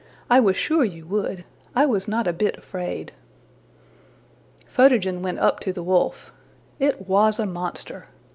``I was sure you would. I was not a bit afraid.'' Photogen went up to the wolf. It was a monster!